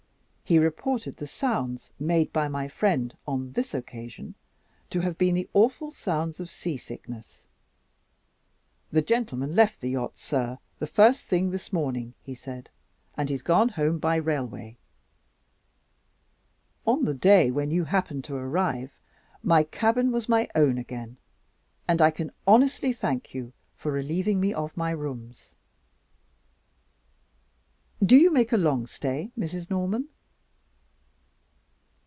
He reported the sounds made by my friend on this occasion to have been the awful sounds of seasickness. 'The gentleman left the yacht, sir, the first thing this morning,' he said; 'and he's gone home by railway.' On the day when you happened to arrive, my cabin was my own again; and I can honestly thank you for relieving me of my rooms. Do you make a long stay, Mrs. Norman?"